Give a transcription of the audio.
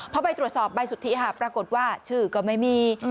ปรากฏว่าชื่อก็ไม่มี